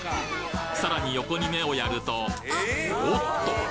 さらに横に目をやるとおっと！